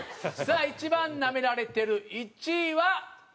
さあ一番ナメられてる１位はこちら。